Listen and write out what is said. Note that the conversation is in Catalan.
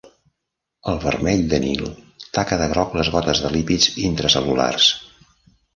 El vermell del Nil taca de groc les gotes de lípids intracel·lulars.